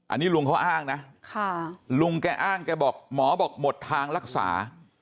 อันนี้ลุงเขาอ้างนะลุงแกอ้างแกบอกหมอบอกหมดทางรักษา